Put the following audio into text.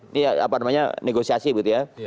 ini apa namanya negosiasi gitu ya